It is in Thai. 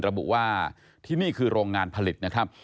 ระบุว่าที่นี่คือโรงงานผลิตนะครับ